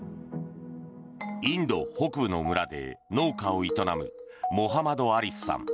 インド北部の村で農家を営むモハマド・アリフさん。